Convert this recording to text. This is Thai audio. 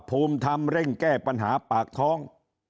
ภูมิธรรมเร่งแก้ปัญหาปากท้อง